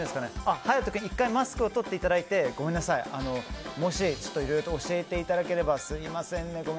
勇人君１回マスクを取っていただいていろいろと教えていただければ。